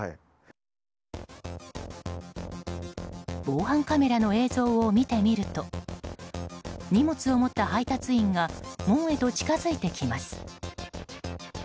防犯カメラの映像を見てみると荷物を持った配達員が門へと近づいてきます。